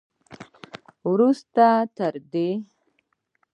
وروسته تر دې